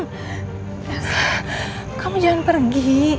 elsa kamu jangan pergi